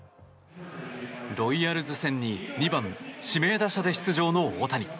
ロイヤルズ戦に２番指名打者で出場の大谷。